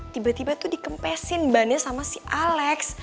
tiba tiba tuh dikempesin bannya sama si alex